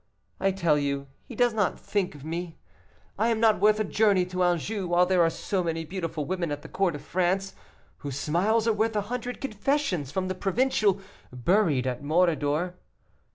I tell you he does not think of me. I am not worth a journey to Anjou while there are so many beautiful women at the court of France, whose smiles are worth a hundred confessions from the provincial, buried at Méridor.